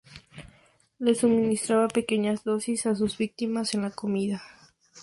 Le suministraba pequeñas dosis a sus víctimas en la comida.